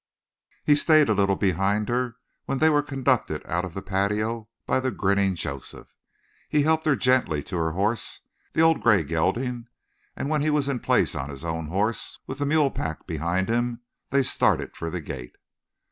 He stayed a little behind her when they were conducted out of the patio by the grinning Joseph. He helped her gently to her horse, the old gray gelding, and when he was in place on his own horse, with the mule pack behind him, they started for the gate.